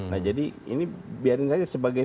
nah jadi ini biarin saja sebagai